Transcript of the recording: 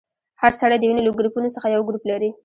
هر سړی د وینې له ګروپونو څخه یو ګروپ لري.